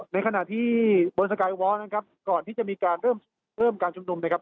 ในขณะที่บนสกายวอลนะครับก่อนที่จะมีการเริ่มเริ่มการชุมนุมนะครับ